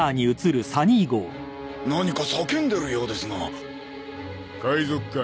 何か叫んでるようですが海賊か？